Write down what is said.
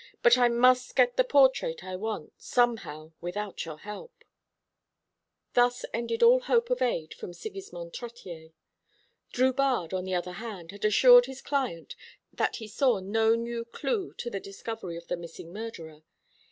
But I must get the portrait I want, somehow, without your help." Thus ended all hope of aid from Sigismond Trottier. Drubarde, on the other hand, had assured his client that he saw no new clue to the discovery of the missing murderer.